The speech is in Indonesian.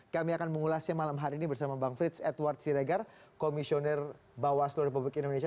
kami akan mengulasnya malam hari ini bersama bang frits edward siregar komisioner bawaslu republik indonesia